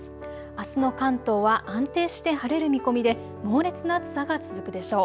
あすの関東は安定して晴れる見込みで猛烈な暑さが続くでしょう。